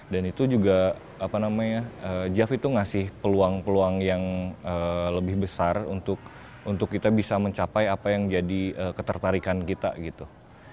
itu juga apa namanya jav itu ngasih peluang peluang yang lebih besar untuk kita bisa mencapai apa yang jadi ketertarikan kita gitu